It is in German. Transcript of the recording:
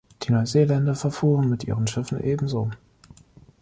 Die Neuseeländer verfuhren mit ihren Schiffen ebenso.